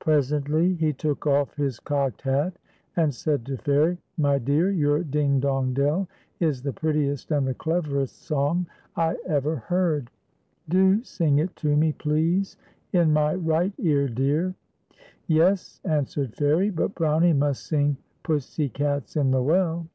Presently he took off his cocked hat, and said to Fairie : "My dear, } our 'Ding, dong, dell' is the prettiest and the cleverest song I ever heard. Do sing it to me, please. In m\ right ear, dear." "Yes," answered Fairie; "but Brownie must sing, 'Pussy cat's in the well.'"